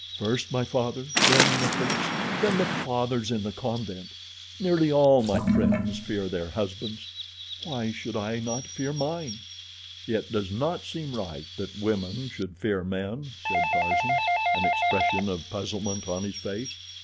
First my father, then Nikolas, then the fathers in the convent. Nearly all my friends fear their husbands—why should I not fear mine?" "It does not seem right that women should fear men," said Tarzan, an expression of puzzlement on his face.